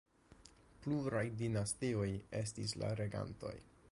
Pluraj dinastioj estis la regantoj.